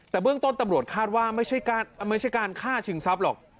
แต่เบื้องต้นตำรวจคาดว่าไม่ใช่การฆ่าชิงทรัพย์หรอก